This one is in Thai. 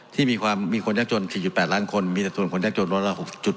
ที่มีความมีคนยากจน๔๘ล้านคนมีสัดส่วนคนยากจนร้อยละ๖จุด